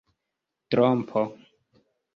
trompo